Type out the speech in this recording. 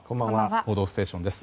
「報道ステーション」です。